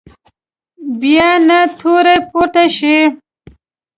بیا نه توره پورته شي.